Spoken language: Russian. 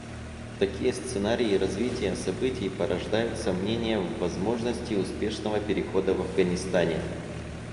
Такие сценарии развития событий порождают сомнения в возможности успешного перехода в Афганистане.